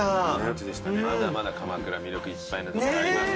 まだまだ鎌倉魅力いっぱいな所ありますから。